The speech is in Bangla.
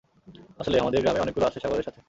আসলে, আমাদের গ্রামে অনেকগুলো আছে, ছাগলের সাথে।